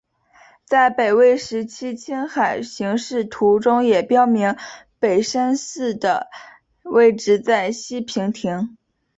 在北魏时期青海形势图中也标明北山寺的位置在西平亭。